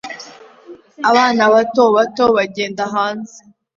Abana bato bato bagenda hanze